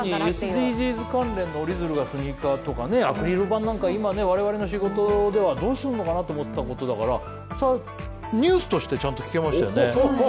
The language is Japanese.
ＳＤＧｓ関連の折り鶴のスニーカーとかね、アクリル板なんか、我々の仕事ではどうすんのかなと思っていたことだからニュースとしてちゃんと聞けましたよね。